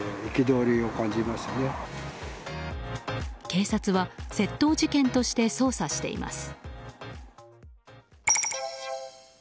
警察は窃盗事件として捜査しています。